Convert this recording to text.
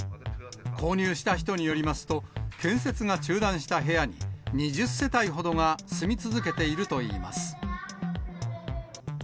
購入した人によりますと、建設が中断した部屋に２０世帯ほどが住み続けているといいます。